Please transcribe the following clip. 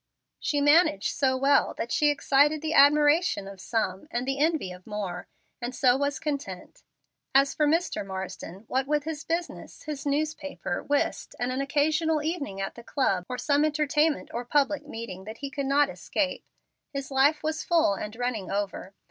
She managed so well that she excited the admiration of some, and the envy of more; and so was content. As for Mr. Marsden, what with his business, his newspaper, whist, and an occasional evening at the club or some entertainment or public meeting that he could not escape, his life was full and running over.